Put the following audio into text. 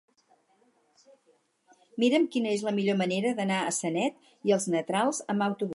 Mira'm quina és la millor manera d'anar a Sanet i els Negrals amb autobús.